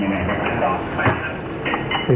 กระบวนการแบบนี้ไม่เป็นความจริง